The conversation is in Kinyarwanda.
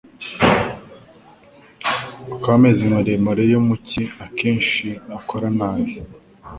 ko amezi maremare yo mu cyi akenshi akora nabi